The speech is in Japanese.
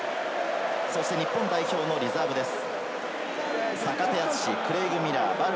日本代表のリザーブです。